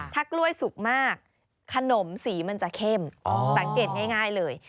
ถ้ากล้วยสุกมากขนมสีมันจะเข้มสังเกตง่ายเลย